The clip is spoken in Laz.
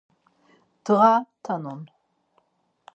Ndğa tanun.